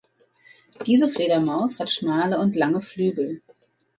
Diese Fledermaus hat schmale und lange Flügel.